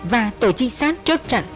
và tội trinh sát trốt trận